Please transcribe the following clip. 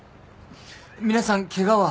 皆さんケガは？